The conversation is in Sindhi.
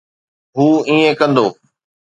هو ائين ڪندو.